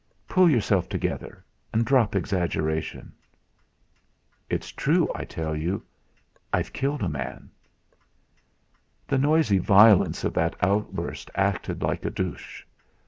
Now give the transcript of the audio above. Pull yourself together, and drop exaggeration." "It's true; I tell you; I've killed a man." The noisy violence of that outburst acted like a douche.